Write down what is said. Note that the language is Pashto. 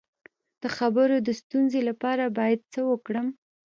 د خبرو د ستونزې لپاره باید څه وکړم؟